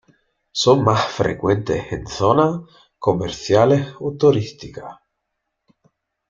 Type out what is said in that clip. Son más frecuentes en zonas comerciales o turísticas.